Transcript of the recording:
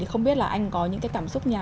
thì không biết là anh có những cái cảm xúc nhà